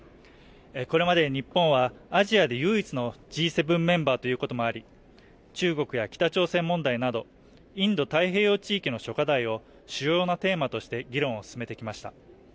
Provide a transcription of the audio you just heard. これまで日本はアジアで唯一のＧ７メンバーということもあり、中国や北朝鮮問題など、インド太平洋地域の諸課題を主要なテーマとして議論を進めてきました。